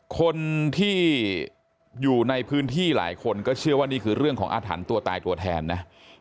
คนที่อยู่ในพื้นที่หลายคนก็เชื่อว่านี่คือเรื่องของอาถรรพ์ตัวตายตัวแทนนะ